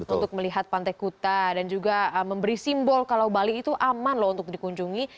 untuk melihat pantai kuta dan juga memberi simbol kalau bali itu aman loh untuk dikunjungi